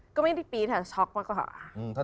ก็ไม่ได้ปี๊ดค่ะช็อกมากกว่า